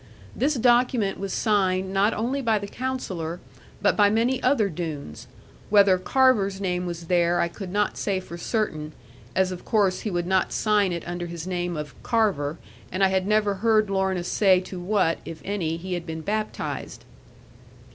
This document was signed not only by the Counsellor, but by many other Doones: whether Carver's name were there, I could not say for certain; as of course he would not sign it under his name of 'Carver,' and I had never heard Lorna say to what (if any) he had been baptized.